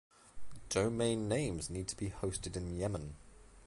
Domain names need to be hosted in Yemen.